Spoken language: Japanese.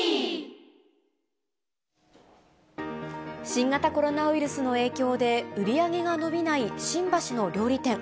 新型コロナウイルスの影響で、売り上げが伸びない新橋の料理店。